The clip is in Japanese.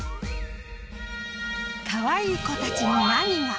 かわいい子たちに何が？